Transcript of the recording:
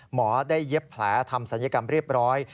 หมอได้เย็บแผลทำศัลยกรรมเรียบร้อย